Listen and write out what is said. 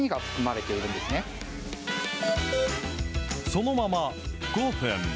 そのまま５分。